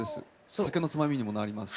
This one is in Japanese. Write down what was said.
酒のつまみにもなりますし。